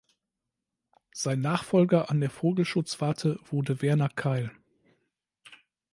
Sein Nachfolger an der Vogelschutzwarte wurde Werner Keil.